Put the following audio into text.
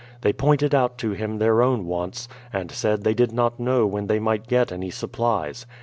They pointed out to him their own wants, and said they did not know when they might get any supplies.